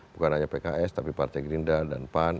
bukan hanya pks tapi partai gerindra dan pan